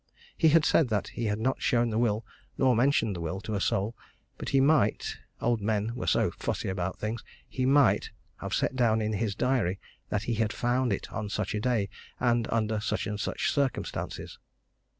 He had said that he had not shown the will, nor mentioned the will, to a soul but he might; old men were so fussy about things he might have set down in his diary that he had found it on such a day, and under such and such circumstances.